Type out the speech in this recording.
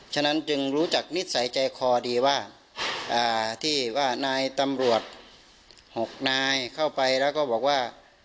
ฉะนั้นจึงรู้จักนิสัยใจคอดีว่าที่ว่านายตำรวจ๖นายเข้าไปแล้วก็บอกว่า